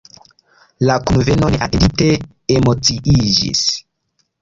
La kunveno neatendite emociiĝis.